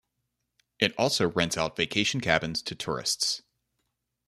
It also rents out vacation cabins to tourists.